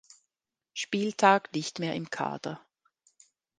Spieltag nicht mehr im Kader.